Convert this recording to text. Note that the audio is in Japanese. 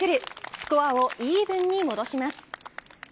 スコアをイーブンに戻します。